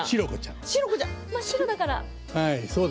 真っ白だから？